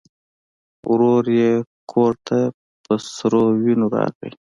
ورور یې کور ته په سرې وینو راغی.